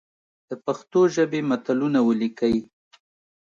د پښتو ژبي متلونه ولیکئ!